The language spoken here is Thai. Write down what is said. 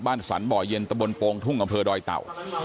บ้านสถานบ่อยเย็นตะบลโปรงทุ่งกำเภอดอยเต่า